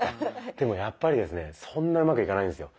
でもやっぱりですねそんなうまくいかないんですよ。